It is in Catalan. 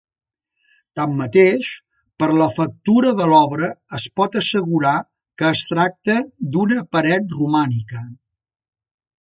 Tanmateix, per la factura de l'obra es pot assegurar que es tracta d'una paret romànica.